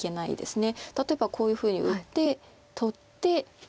例えばこういうふうに打って取って。